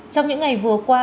trong những ngày vừa qua